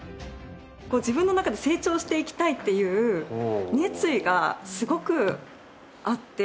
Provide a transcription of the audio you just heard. こう自分の中で成長していきたいっていう熱意がすごくあって。